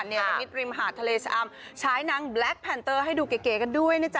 ระมิตรริมหาดทะเลชะอำใช้นางแบล็คแพนเตอร์ให้ดูเก๋กันด้วยนะจ๊